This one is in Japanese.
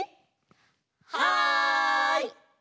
はい！